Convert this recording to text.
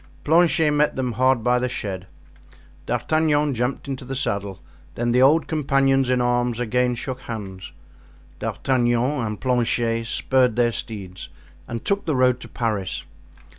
Planchet met them hard by the shed. D'Artagnan jumped into the saddle, then the old companions in arms again shook hands. D'Artagnan and Planchet spurred their steeds and took the road to Paris.